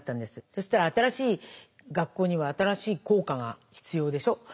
そしたら新しい学校には新しい校歌が必要でしょ。